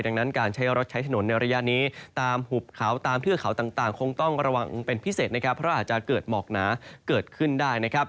ดังนั้นการใช้รถใช้ถนนในระยะนี้ตามหุบเขาตามเทือกเขาต่างคงต้องระวังเป็นพิเศษนะครับเพราะอาจจะเกิดหมอกหนาเกิดขึ้นได้นะครับ